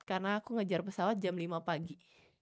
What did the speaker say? karena aku ngejar pesawat jam lima pagi